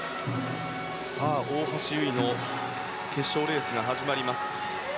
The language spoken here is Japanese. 大橋悠依の決勝レースが始まります。